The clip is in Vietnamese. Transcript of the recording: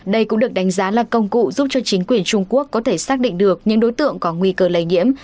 đây cũng được đánh giá là công cụ giúp cho chính quyền trung quốc có thể xác định được những đối tượng có nguy cơ lây nhiễm